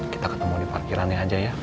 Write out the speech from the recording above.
kita ketemu di parkirannya aja ya